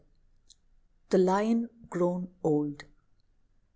THE LION GROWN OLD.